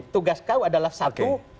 tugas kau adalah satu